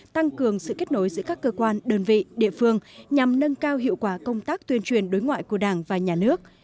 tăng cường sự kết nối giữa các cơ quan đơn vị địa phương nhằm nâng cao hiệu quả công tác tuyên truyền đối ngoại của đảng và nhà nước